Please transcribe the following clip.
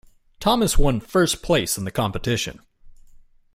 Thomas one first place in the competition.